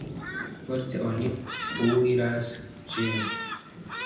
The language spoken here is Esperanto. Poste oni kuiras ĝin.